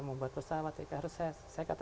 mau buat pesawat harus saya katakan